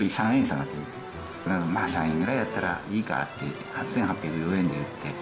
なので、まあ３円くらいだったらいいかと８８０４円で売って。